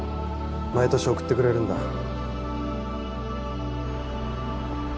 毎年送ってくれるんだ。